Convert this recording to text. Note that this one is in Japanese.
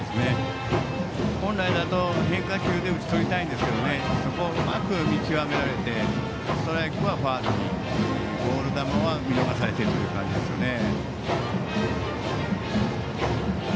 本来なら変化球で打ち取りたいんですがそこをうまく見極められてストライクはファウルにボール球は見逃されている感じですね。